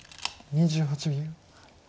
２８秒。